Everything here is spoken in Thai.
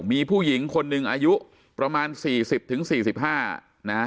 มีผู้หญิงคนหนึ่งอายุประมาณสี่สิบถึงสี่สิบห้านะฮะ